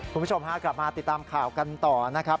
คุณผู้ชมฮะกลับมาติดตามข่าวกันต่อนะครับ